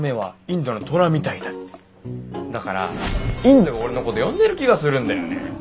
だからインドが俺のこと呼んでる気がするんだよね。